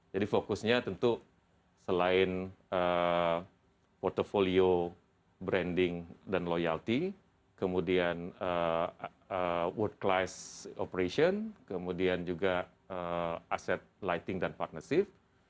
jadi fokusnya tentu selain portfolio branding dan loyalty kemudian world class operation kemudian juga asset lighting dan partnership